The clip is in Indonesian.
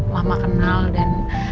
mama kenal dan